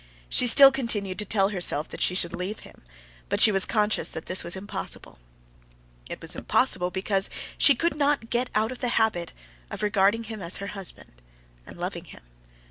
She still continued to tell herself that she should leave him, but she was conscious that this was impossible; it was impossible because she could not get out of the habit of regarding him as her husband and loving him.